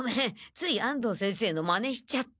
つい安藤先生のマネしちゃって。